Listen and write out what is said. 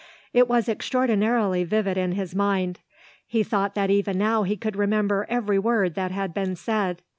It was extraordinarily vivid in his mind. He thought that even now he could remember every word that had been said.